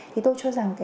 thì tôi cho rằng